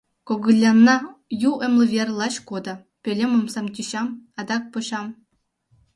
Когылянна ю эмлымвер лач кодо, Пӧлем омсам тӱчам, адак почам.